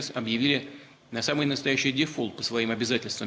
sekarang semua orang tahu bahwa penerbangan finansial bisa diperlukan